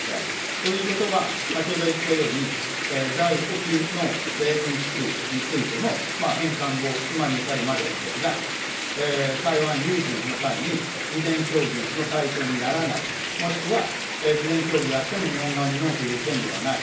ということは、先ほど言ったように、在沖の米軍基地についても、返還後、今に至るまでですが、台湾有事の際に、事前協議の対象にならない、もしくは事前協議があっても日本側にノーと言う権利はない。